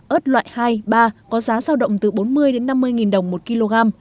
ớt loại hai ba có giá sao động từ bốn mươi năm mươi đồng một kg